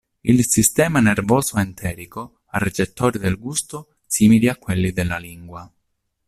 Il sistema nervoso enterico ha recettori del gusto simili a quelli della lingua.